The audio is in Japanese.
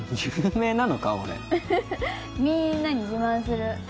みんなに自慢する。